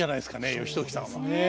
義時さんは。ねえ。